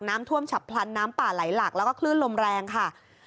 น้ำท่วมฉับพลันน้ำป่าไหลหลักแล้วก็คลื่นลมแรงค่ะ